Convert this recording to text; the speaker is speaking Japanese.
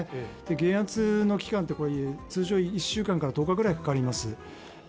減圧というのは通常１週間から１０日ぐらいかかります。